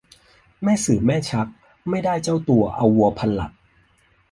แม่สื่อแม่ชัก ไม่ได้เจ้าตัว เอาวัวพันหลัก